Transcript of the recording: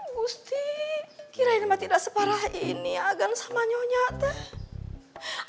gusti kirain mah tidak separah ini agan sama nyonya teh